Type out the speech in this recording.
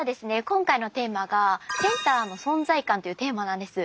今回のテーマが「センターの存在感」というテーマなんです。